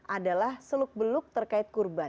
adalah seluk beluk terkait kurban